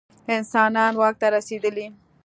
انسانان واک ته رسېدلي.